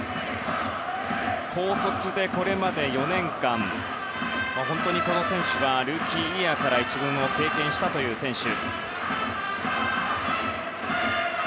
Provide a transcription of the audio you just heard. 高卒でこれまで４年間本当にこの選手はルーキーイヤーから１軍を経験したという選手。